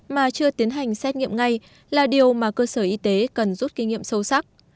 mà chưa tiến hành xét nghiệm ngay là điều mà cơ sở y tế cần rút kinh nghiệm sâu sắc